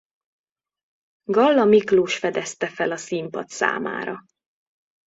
Galla Miklós fedezte fel a színpad számára.